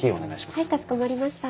はいかしこまりました。